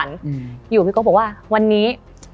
อยู่พี่โก๊บอกว่าวันนี้